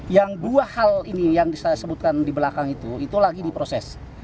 yang dua hal ini yang saya sebutkan di belakang itu itu lagi diproses